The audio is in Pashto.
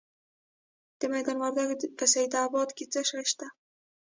د میدان وردګو په سید اباد کې څه شی شته؟